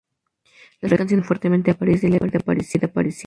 Las canciones se refieren fuertemente a París y la vida parisina.